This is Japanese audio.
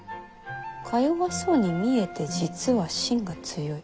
かよわそうに見えて実はしんが強い。